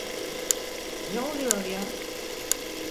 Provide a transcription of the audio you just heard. Ne oluyor ya?